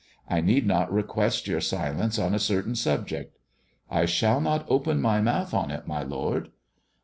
I need not request your silence on a certain subject." " I shall not open my mouth on it, my lord."